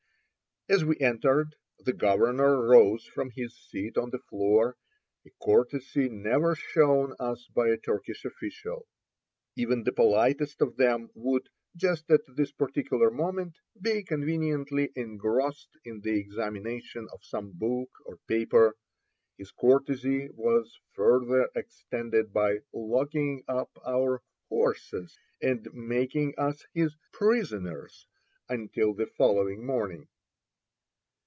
As we entered, the governor rose from his seat on the floor, a courtesy never shown us by a Turkish official. Even the politest of them would, just at this particular moment, be conveniently engrossed in the examination of some book or paper. His courtesy was further extended by locking up our "horses," and making us his "prisoners" until the following morning.